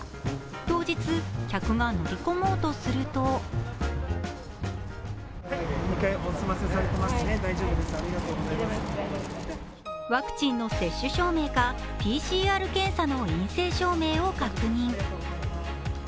当日、客が乗り込もうとするとワクチンの接種証明かＰＣＲ検査の陰性証明を確認。